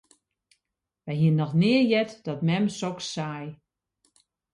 Wy hiene noch nea heard dat mem soks sei.